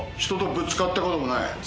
人とぶつかったこともない。